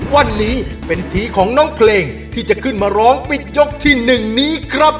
วันนี้เป็นทีของน้องเพลงที่จะขึ้นมาร้องปิดยกที่๑นี้ครับ